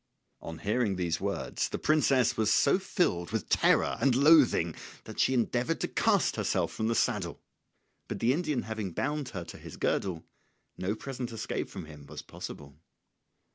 On hearing these words the princess was so filled with terror and loathing that she endeavoured to cast herself from the saddle; but the Indian having bound her to his girdle, no present escape from him was possible.